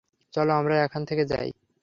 চলো আমরা এখান থেকে যাই।